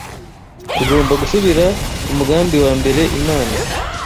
Tugomba gusubira ku mugambi wa mbere Imana